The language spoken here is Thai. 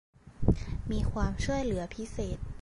มีความช่วยเหลือพิเศษ